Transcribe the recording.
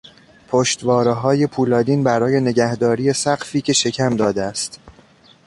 پشتوارههای پولادین برای نگهداری سقفی که شکم داده است